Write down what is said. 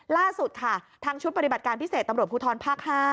ล่าสุดค่ะทางชุดปฏิบัติการพิเศษตำรวจภูทรภาค๕